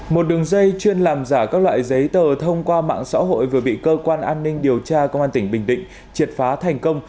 một đường dây chuyên làm giả các loại giấy tờ thông qua mạng xã hội vừa bị cơ quan an ninh điều tra công an tỉnh bình định triệt phá thành công